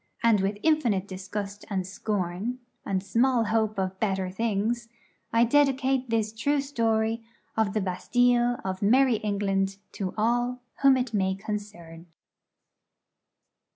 And, with infinite disgust and scorn, and small hope of better things, I dedicate this true story of the Bastilles of merrie England to all whom it may concern.